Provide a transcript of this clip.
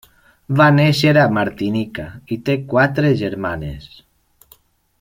Va néixer a Martinica i té quatre germanes.